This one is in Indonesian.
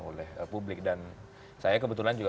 oleh publik dan saya kebetulan juga